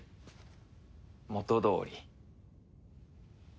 元どおり。